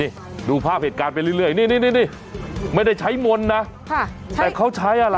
นี่ดูภาพเหตุการณ์ไปเรื่อยนี่นี่ไม่ได้ใช้มนต์นะค่ะแต่เขาใช้อะไร